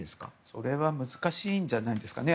それは難しいんじゃないですかね。